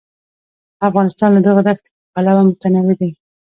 افغانستان له دغو دښتو پلوه متنوع دی.